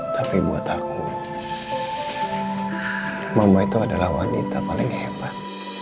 tapi buat aku mama itu adalah wanita paling hebat